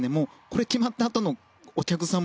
これが決まったあとのお客さん